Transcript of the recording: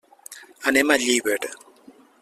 Anem a Llíber.